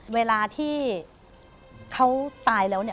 เวลาที่เขาตายแล้วเนี่ย